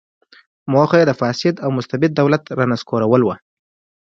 موخه یې د فاسد او مستبد دولت رانسکورول و.